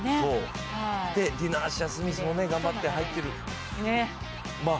ディナ・アッシャー・スミスも頑張って入ってる。